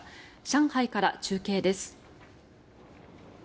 上海から中継です。